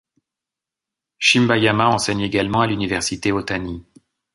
Shibayama enseigne également à l'Université Ōtani.